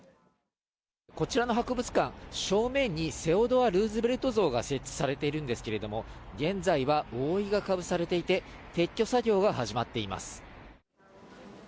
こちらの博物館、正面にセオドア像が設置されているんですけれども、現在は覆いがかぶされていて、撤去作業が始まっています。